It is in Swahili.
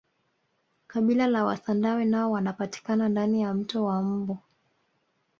kabila la wasandawe nao wanapatikana ndani ya mto wa mbu